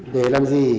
để làm gì